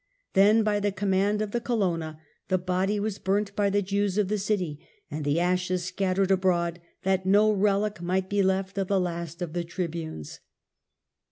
Then, by the command of the Colonna, the body was burnt by the Jews of the city and the ashes scat tered abroad, that no relic might be left of the last of the Tribunes.